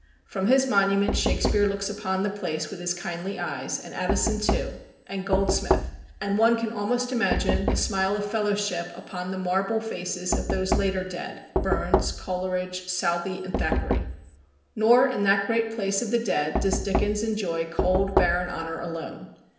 From his monument Shakespeare looks upon the place with his kindly eyes, and Addison too, and Goldsmith; and one can almost imagine a smile of fellowship upon the marble faces of those later dead Burns, Coleridge, Southey, and Thackeray. Nor in that great place of the dead does Dickens enjoy cold barren honour alone.